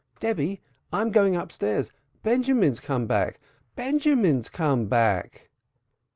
Debby, I'm going upstairs. Benjamin's come back. Benjamin's come back."